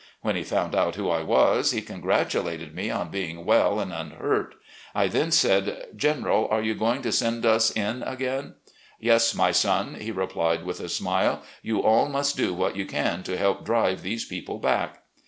When he foimd out who I was, he congratulated me on being well and unhurt. I then said: " General, are you going to send us in again ?"" Yes, my son," he replied, with a smile ;" you all must do what you can to help drive these people back."